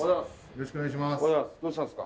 よろしくお願いします。